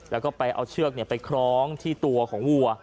แล้วก็ไปเอาเชือกไปคล้องที่ตัวของวัว